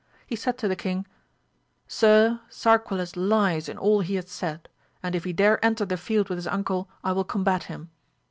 He said to the king, Sir, Sarquiles lies in all he hath said, and if he dare enter the field with his uncle I will combat him